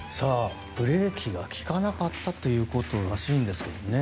ブレーキが利かなかったということらしいんですけどね。